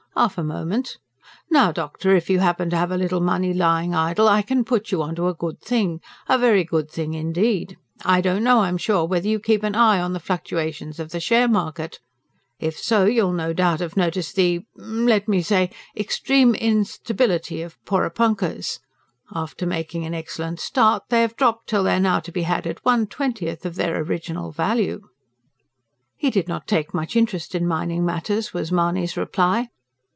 "Half a moment! Now, doctor, if you happen to have a little money lying idle, I can put you on to a good thing a very good thing indeed. I don't know, I'm sure, whether you keep an eye on the fluctuations of the share market. If so, you'll no doubt have noticed the ... let me say the extreme instability of 'Porepunkahs.' After making an excellent start, they have dropped till they are now to be had at one twentieth of their original value." He did not take much interest in mining matters was Mahony's reply.